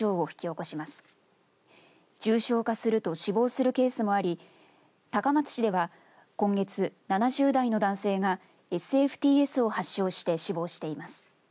重症化すると死亡するケースもあり高松市では、今月７０代の男性がＳＦＴＳを発症して死亡しています。